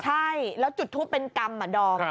ใช่แล้วจุดทูปเป็นกรรมอ่ะดอม